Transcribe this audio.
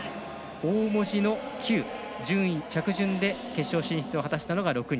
大文字のＱ、順位、着順で決勝進出を果たしたのが６人。